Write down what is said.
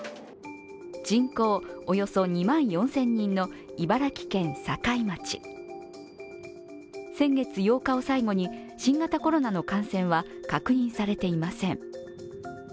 人口およそ２万４０００人の茨城県境町先月８日を最後に新型コロナの感染は確認されていません。